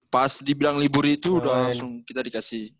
pas dibilang libur itu udah langsung kita dikasih